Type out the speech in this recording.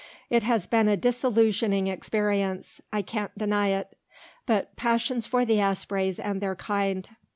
It has been a disillusionizing experience, I can't deny it; but passons for the Aspreys and their kind.